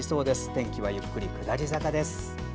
天気はゆっくり下り坂です。